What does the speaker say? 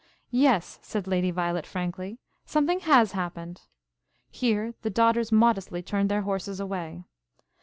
"Yes," said Lady Violet frankly, "something has happened." Here the daughters modestly turned their horses away.